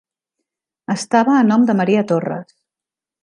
Estava a nom de Maria Torres.